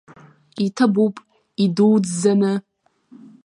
Иҭабуп, идуӡӡаны!